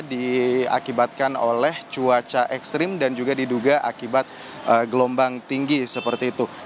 diakibatkan oleh cuaca ekstrim dan juga diduga akibat gelombang tinggi seperti itu